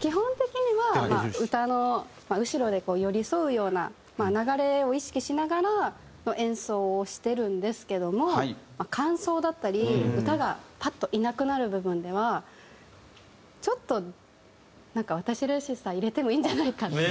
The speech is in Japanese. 基本的には歌の後ろで寄り添うような流れを意識しながら演奏をしてるんですけども間奏だったり歌がパッといなくなる部分ではちょっとなんか私らしさ入れてもいいんじゃないかっていう。